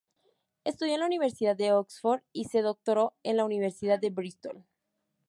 Estudió en la Universidad de Oxford y se doctoró en la Universidad de Bristol.